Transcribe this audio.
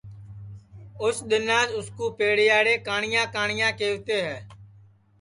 اُس دؔناس اُس پیڑیاڑے کاٹؔیا کاٹؔیا کیہوتے ہے